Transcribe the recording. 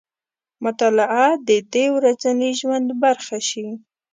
مطالعه دې د ورځني ژوند برخه شي.